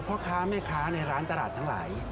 พ่อค้าแม่ค้าในร้านตลาดทั้งหลาย